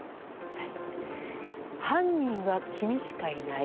犯人は君しかいない。